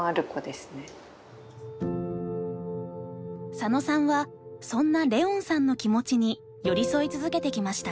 佐野さんはそんな恋音さんの気持ちに寄り添い続けてきました。